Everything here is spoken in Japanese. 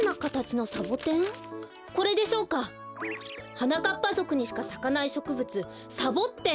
はなかっぱぞくにしかさかないしょくぶつサボッテン。